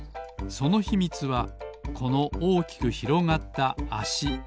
そのひみつはこのおおきくひろがったあし。